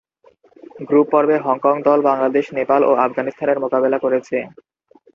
গ্রুপ-পর্বে Hong Kong দল বাংলাদেশ, নেপাল ও আফগানিস্তানের মোকাবেলা করেছে।